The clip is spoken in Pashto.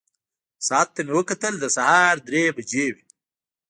ساعت ته مې وکتل، د سهار درې بجې وې.